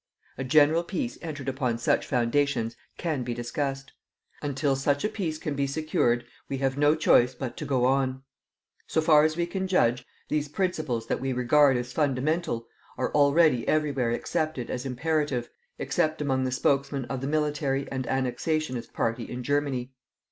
"A general peace entered upon such foundations can be discussed. Until such a peace can be secured we have no choice but to go on. So far as we can judge, these principles that we regard as fundamental are already everywhere accepted as imperative except among the spokesmen of the military and annexationist party in Germany.